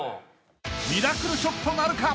［ミラクルショットなるか？